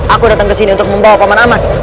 aku datang kesini untuk membawa pak man aman